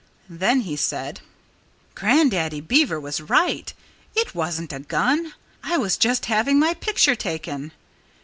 Then he said: "Grandaddy Beaver was right. It wasn't a gun. I was just having my picture taken."